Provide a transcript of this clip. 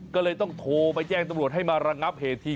ก็เลยต้องโทรไปแจ้งตำรวจให้มาระงับเหตุที